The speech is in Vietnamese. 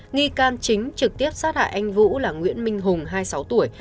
nghi can chính trực tiếp sát hại anh vũ là nguyễn minh hùng hai mươi sáu tuổi